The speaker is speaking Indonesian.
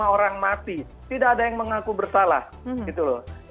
satu ratus tiga puluh lima orang mati tidak ada yang mengaku bersalah gitu loh